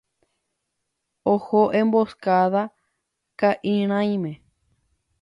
Oho Emboscada ka'irãime